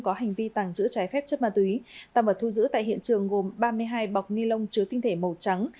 có hành vi tàng trữ trái phép chất ma túy tăng vật thu giữ tại hiện trường gồm ba mươi hai bọc ni lông chứa tinh thể màu trắng